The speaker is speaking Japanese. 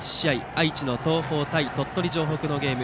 愛知の東邦対鳥取城北のゲーム